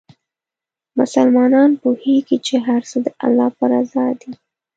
مسلمان پوهېږي چې هر څه د الله په رضا دي.